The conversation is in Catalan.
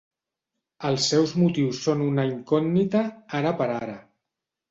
Els seus motius són una incògnita, ara per ara.